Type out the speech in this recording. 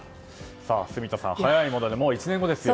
住田さん、早いものでもう１年後ですよ。